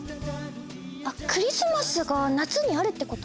あっクリスマスが夏にあるってこと？